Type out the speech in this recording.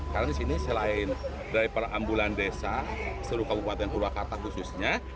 karena disini selain driver ambulans desa seluruh kabupaten purwakarta khususnya